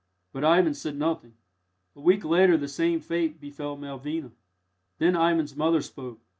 But Ivan said nothing. A week later the same fate befell Malvina. Then Ivan's mother spoke.